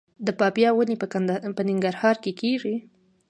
د پاپایا ونې په ننګرهار کې کیږي؟